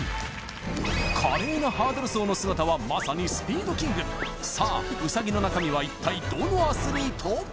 華麗なハードル走の姿はまさにさあウサギの中身は一体どのアスリート？